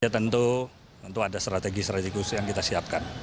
tentu ada strategi strategi yang kita siapkan